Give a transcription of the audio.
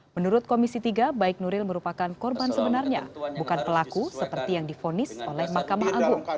menurut komisi tiga baik nuril merupakan korban sebenarnya bukan pelaku seperti yang difonis oleh mahkamah agung